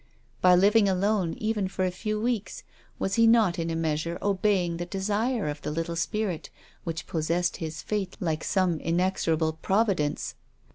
By living alone, even for a few weeks, was he not in a measure obeying the desire of the little spirit, which pos sessed his fate like some inexorable Providence?